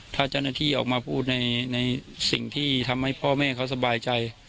ถ้าเจ้าหน้าที่ออกมาพูดในสิ่งที่ทำให้พ่อแม่เขาสบายใจ